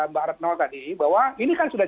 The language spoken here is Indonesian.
mbak retno tadi bahwa ini kan sudah